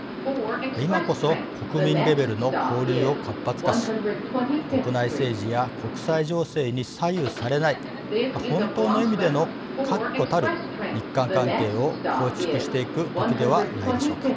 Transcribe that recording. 今こそ国民レベルの交流を活発化し国内政治や国際情勢に左右されない本当の意味での確固たる日韓関係を構築していく時ではないでしょうか。